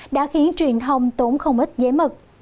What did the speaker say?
đã khiến truyền thông tốn không ít giấy mực